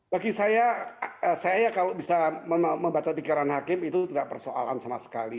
bagi saya saya kalau bisa membaca pikiran hakim itu tidak persoalan sama sekali